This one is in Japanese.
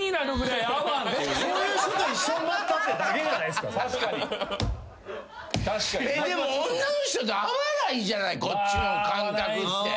でも女の人と合わないじゃないこっちの感覚って。